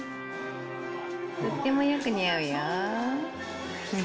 とってもよく似合うよ。